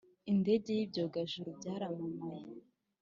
Indege n'ibyogajuru byaramamaye